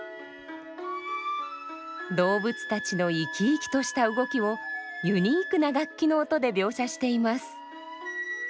動物たちの生き生きとした動きをユニークな楽器の音で描写しています。